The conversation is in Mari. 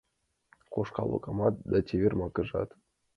Кошка локамат да чевер макыжат